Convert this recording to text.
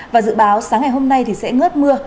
và dự báo sáng ngày hôm nay thì sẽ ngớt mưa